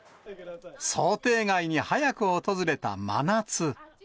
想定外に早く訪れた真夏。